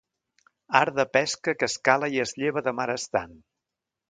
Art de pesca que es cala i es lleva de mar estant.